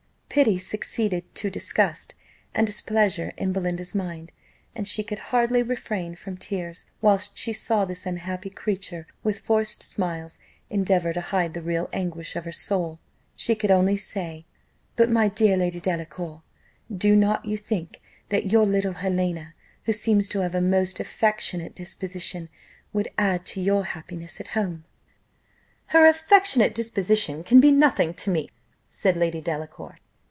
Pity succeeded to disgust and displeasure in Belinda's mind, and she could hardly refrain from tears, whilst she saw this unhappy creature, with forced smiles, endeavour to hide the real anguish of her soul: she could only say, "But, my dear Lady Delacour, do not you think that your little Helena, who seems to have a most affectionate disposition, would add to your happiness at home?" "Her affectionate disposition can be nothing to me," said Lady Delacour.